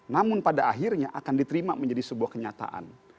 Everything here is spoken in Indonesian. namun pada akhirnya akan diterima menjadi sebuah kenyataan